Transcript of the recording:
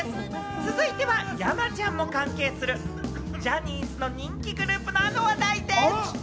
続いては山ちゃんも関係する、ジャニーズの人気グループのあの話題です。